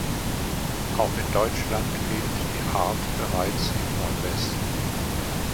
Auch in Deutschland fehlt die Art bereits im Nordwesten.